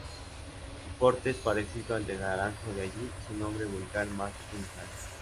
Su porte es parecido al del Naranjo de allí su nombre vulgar más utilizado.